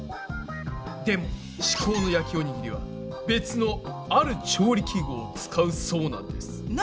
でも至高の焼きおにぎりは別の「ある調理器具」を使うそうなんです。